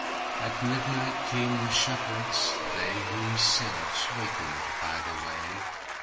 At midnight came the shepherds, theyWhom seraphs wakened by the way.